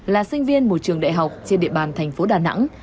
là sinh viên một trường đại học trên địa bàn thành phố đà nẵng